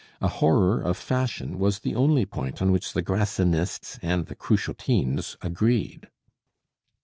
A horror of fashion was the only point on which the Grassinists and the Cruchotines agreed.